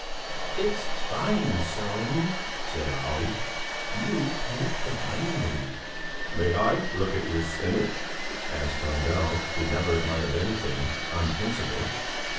"It's fine, Sellén," said Olle, "you paint divinely." "May I look at your spinach?" asked Lundell, who never admired anything, on principle.